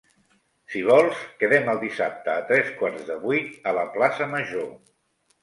Si vols, quedem el dissabte a tres quarts de vuit a la plaça major.